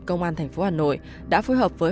công an thành phố hà nội đã phối hợp với